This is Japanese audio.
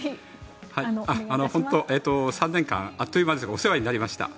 ３年間あっという間でしたがお世話になりました。